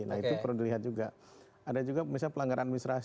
nah itu perlu dilihat juga ada juga misalnya pelanggaran administrasi